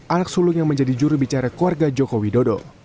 anak sulung yang menjadi juru bicara keluarga joko widodo